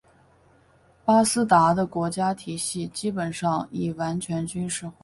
斯巴达的国家体系基本上已完全军事化。